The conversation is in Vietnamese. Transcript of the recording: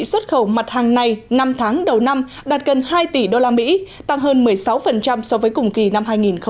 xuất khẩu mặt hàng này năm tháng đầu năm đạt gần hai tỷ usd tăng hơn một mươi sáu so với cùng kỳ năm hai nghìn một mươi chín